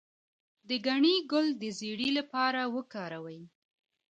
د ګنی ګل د زیړي لپاره وکاروئ